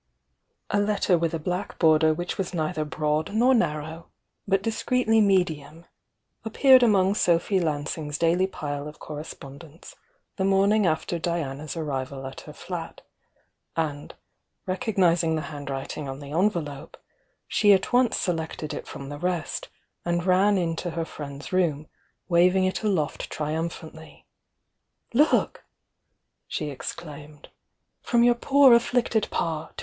A letter with a black border which was neither broad nor narrow, but discreetly medium, appeared among Sophy Lansing's daUy pile of correspondence the mommg after Diana's arrival at her flat, and reoognismg the handwriting on the envelops, she at once selected it from the rest, and ran inti her iriend s room, wavmg it aloft triumphantly a rT^^, t^ exclaimed. "From your poor, flictedPa! To